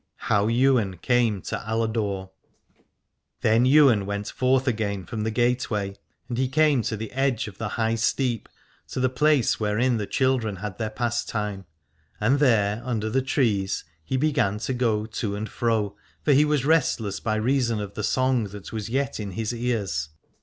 HOW YWAIN CAME TO ALADORE. Then Ywain went forth again from the gate way, and he came to the edge of the High Steep, to the place wherein the children had their pastime : and there under the trees he began to go to and fro, for he was restless by reason of the song that was yet in his ears.